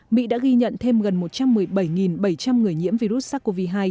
mỹ đã ghi nhận thêm gần một trăm một mươi bảy bảy trăm linh người nhiễm virus sars cov hai